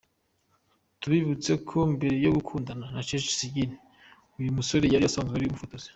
Tubibutse ko mbere yo gukundana na Cece Sagini uyu musore yari asanzwe ari umufotozi.